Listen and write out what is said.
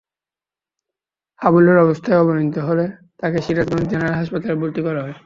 হাবুলের অবস্থার অবনতি হলে তাঁকে সিরাজগঞ্জ জেনারেল হাসপাতালে ভর্তি করা হয়।